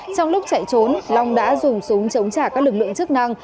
trong lúc chạy trốn long đã dùng súng chống trả các lực lượng chức năng